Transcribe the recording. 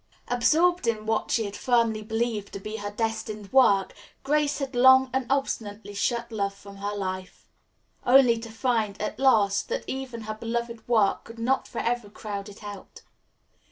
Absorbed in what she had firmly believed to be her destined work, Grace had long and obstinately shut love from her life, only to find at last that even her beloved work could not forever crowd it out.